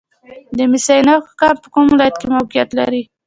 د مس عینک کان په کوم ولایت کې موقعیت لري؟